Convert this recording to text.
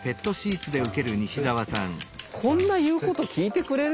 こんな言うこと聞いてくれる？